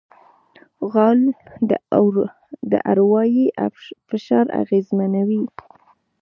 غول د اروایي فشار اغېزمنوي.